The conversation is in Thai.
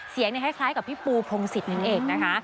เสียงเนี่ยคล้ายกับพี่ปูพงศิษย์เป็นเอกนะคะ